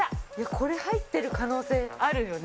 これ入ってる可能性あるよね。